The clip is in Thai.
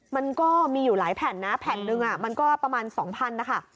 มันก็มีอยู่หลายแผ่นนะแผ่นหนึ่งมันก็ประมาณ๒๐๐นะคะ